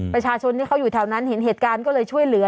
ประชาชนที่เขาอยู่แถวนั้นเห็นเหตุการณ์ก็เลยช่วยเหลือ